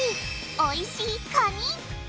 おいしいカニ！